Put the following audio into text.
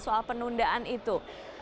soal penundaan itu